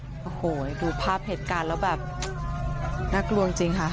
โอ้โหดูภาพเหตุการณ์แล้วแบบน่ากลัวจริงค่ะ